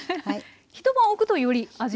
一晩おくとより味も。